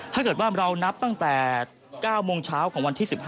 ถ้าเกิดว่าเรานับตั้งแต่๙โมงเช้าของวันที่๑๕